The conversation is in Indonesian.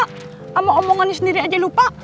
sama omongannya sendiri aja lupa